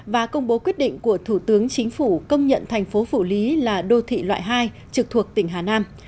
và công bố quyết định của thủ tướng chính phủ công nhận thành phố phủ lý là đô thị loại hai trực thuộc tỉnh hà nam